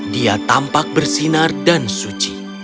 dia tampak bersinar dan suci